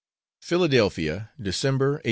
Philadelphia: December 1838.